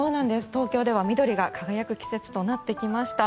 東京では緑が輝く季節となってきました。